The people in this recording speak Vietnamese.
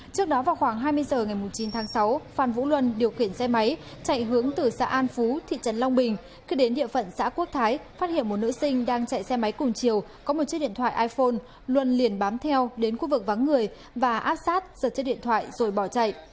trước đó vào khoảng hai mươi h ngày chín tháng sáu phan vũ luân điều khiển xe máy chạy hướng từ xã an phú thị trấn long bình khi đến địa phận xã quốc thái phát hiện một nữ sinh đang chạy xe máy cùng chiều có một chiếc điện thoại iphone luân liền bám theo đến khu vực vắng người và áp sát giật chiếc điện thoại rồi bỏ chạy